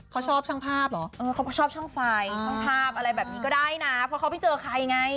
เขาชอบช่องไฟช่องภาพอะไรแบบนี้ก็ได้นะเพราะเขาไม่เจอใครไง